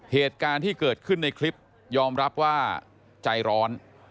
เหตุการณ์ที่เกิดขึ้นในคลิปยอมรับว่าใจร้อน